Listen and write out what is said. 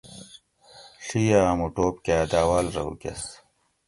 ڷیہ آۤمو ٹوپ کاۤ داۤواۤل رہ اُوکۤس